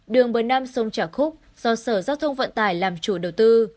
đường bờ nam sông trà khúc do sở giao thông vận tải làm chủ đầu tư